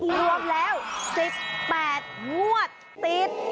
รวมแล้ว๑๘งวดติด